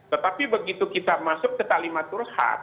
tetapi begitu kita masuk ke talimat turhat